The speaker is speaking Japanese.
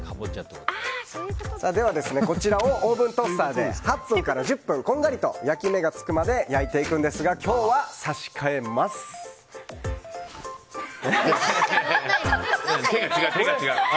こちらをオーブントースターで８分から１０分こんがりと焼き目がつくまで焼いていくんですがですっ！